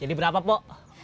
jadi berapa pok